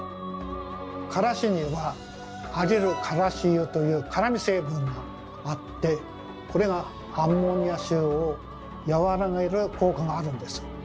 からしにはアリルカラシ油という辛み成分があってこれがアンモニア臭を和らげる効果があるんです。